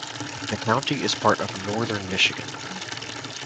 The county is part of Northern Michigan.